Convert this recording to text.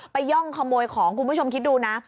ย่องขโมยของคุณผู้ชมคิดดูนะ